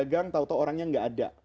kita pegang tau tau orangnya gak ada